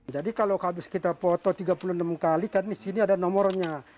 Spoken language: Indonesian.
jadi kalau habis kita foto tiga puluh enam kali kan di sini ada nomornya